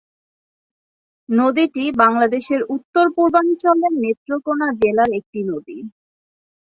নদীটি বাংলাদেশের উত্তর-পূর্বাঞ্চলের নেত্রকোণা জেলার একটি নদী।